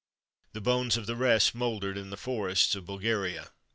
The bones of the rest mouldered in the forests of Bulgaria.